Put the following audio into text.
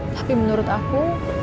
tapi menurut aku